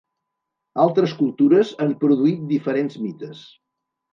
Altres cultures han produït diferents mites.